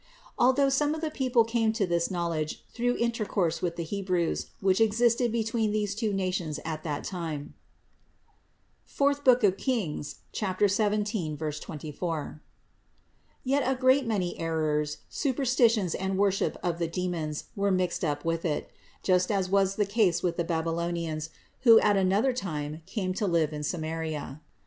Although some of the people came to this knowledge through intercourse with the Hebrews, which existed between these two nations at that time (Kings IV, 17, 24) ; yet a great many errors, superstitions and worship of the demons were mixed up with it; just as was the case with the Babylonians, who at another time came to live in Sa maria.